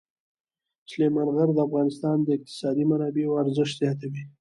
سلیمان غر د افغانستان د اقتصادي منابعو ارزښت زیاتوي.